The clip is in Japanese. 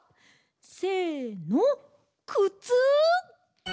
せのくつ！